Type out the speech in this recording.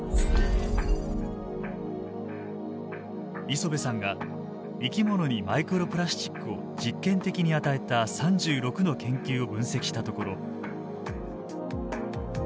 磯辺さんが生き物にマイクロプラスチックを実験的に与えた３６の研究を分析したところ。